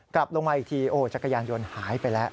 กลับลงมาอีกทีโอ้จักรยานยนต์หายไปแล้ว